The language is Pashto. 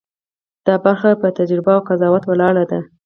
دا برخه په تجربه او قضاوت ولاړه ده.